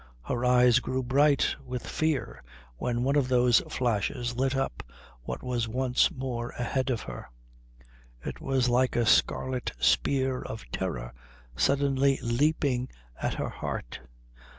Her eyes grew bright with fear when one of those flashes lit up what was once more ahead of her. It was like a scarlet spear of terror suddenly leaping at her heart....